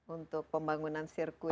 untuk pembangunan sirkuit